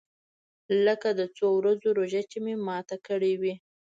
لکه د څو ورځو روژه چې مې ماته کړې وي.